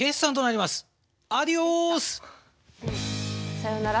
さよなら。